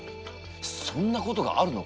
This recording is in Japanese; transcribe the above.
そんなことがあるのか！？